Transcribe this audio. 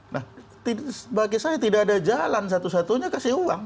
nah bagi saya tidak ada jalan satu satunya kasih uang